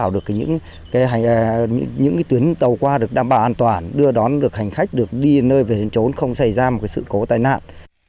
đến tàu qua được đảm bảo an toàn đưa đón được hành khách được đi nơi về đến chỗ không xảy ra một sự cố tai nạn